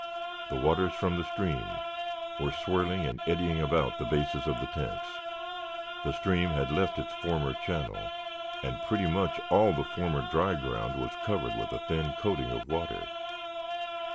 The waters from the stream were swirling and eddying about the bases of the tents; the stream had left its former channel and pretty much all the former dry ground was covered with a thin coating of water.